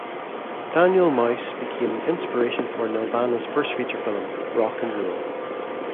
"Daniel Mouse" became the inspiration for Nelvana's first feature film, "Rock and Rule".